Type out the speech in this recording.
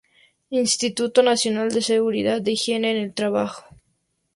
Instituto Nacional de Seguridad e Higiene en el Trabajo.